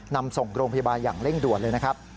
นำส่งโรงพยาบาลอย่างเร่งด่วนเลยนะครับ